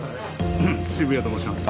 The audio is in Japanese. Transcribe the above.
渋谷と申します。